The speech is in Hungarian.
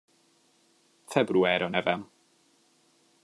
Február a nevem.